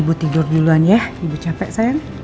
ibu tidur duluan ya ibu capek saya